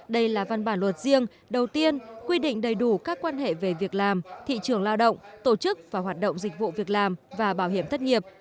đây là văn bản luật riêng đầu tiên quy định đầy đủ các quan hệ về việc làm thị trường lao động tổ chức và hoạt động dịch vụ việc làm và bảo hiểm thất nghiệp